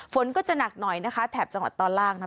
ฝนก็จะหนักหน่อยนะคะแถบจังหวัดตอนล่างนะคะ